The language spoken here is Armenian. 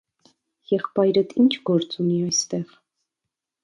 - Եղբայրդ ի՞նչ գործ ունի այստեղ: